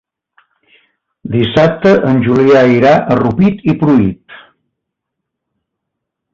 Dissabte en Julià irà a Rupit i Pruit.